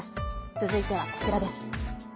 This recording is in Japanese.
続いてはこちら。